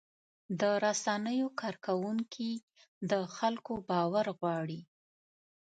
د رسنیو کارکوونکي د خلکو باور غواړي.